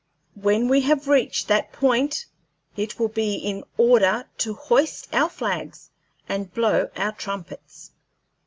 When we have reached that point, it will be in order to hoist our flags and blow our trumpets.